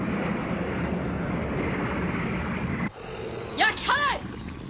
焼き払え！